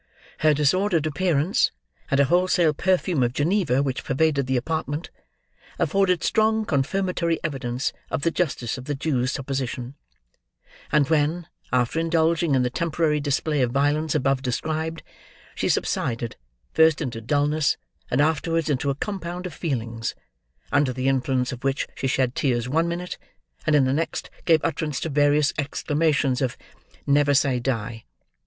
Her disordered appearance, and a wholesale perfume of Geneva which pervaded the apartment, afforded strong confirmatory evidence of the justice of the Jew's supposition; and when, after indulging in the temporary display of violence above described, she subsided, first into dullness, and afterwards into a compound of feelings: under the influence of which she shed tears one minute, and in the next gave utterance to various exclamations of "Never say die!"